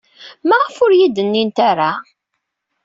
Maɣef ur iyi-d-nnint ara?